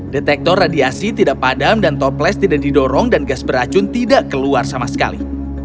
detektor radiasi tidak padam dan toples tidak didorong dan gas beracun tidak keluar sama sekali